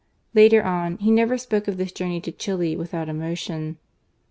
Later on^ he never spoke of thi$. jioumey to Chili without emotion.